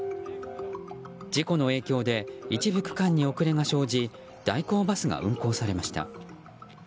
事故の影響で一部区間に遅れが生じ代行バスが運行されました。